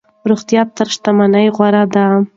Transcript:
روغتیا تر شتمنۍ غوره ده.